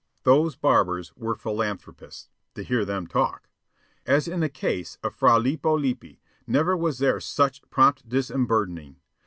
Those barbers were philanthropists to hear them talk. As in the case of Fra Lippo Lippi, never was there such prompt disemburdening.